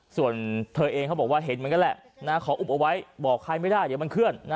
ส่วนเธอเองเขาบอกว่าเห็นเหมือนกันแหละขออุบเอาไว้บอกใครไม่ได้เดี๋ยวมันเคลื่อน